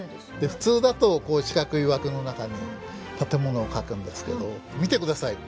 普通だとこう四角い枠の中に建物を描くんですけど見て下さい。